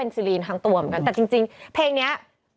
ต้องซื้อส่วนแต่ยังไง